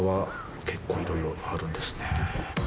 結構いろいろあるんですね。